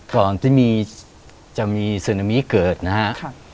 ก่อนที่จะมีซูนามีเกิดนะฮะ